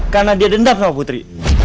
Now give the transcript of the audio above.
karena dia dendam sama putri